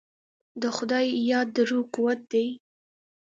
د خدای یاد د روح قوت دی.